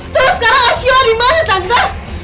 terus sekarang acu di mana tante